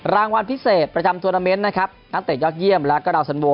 รางวัลพิเศษประจำทวนาเมนต์นะครับนักเตะยอดเยี่ยมแล้วก็ดาวสันโว